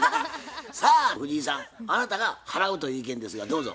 さあ藤井さんあなたが払うという意見ですがどうぞ。